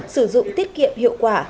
sử dụng tiết kiệm hiệu quả